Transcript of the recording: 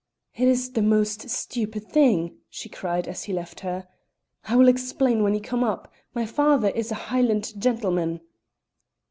"It is the most stupid thing," she cried, as he left her; "I will explain when you come up. My father is a Highland gentleman."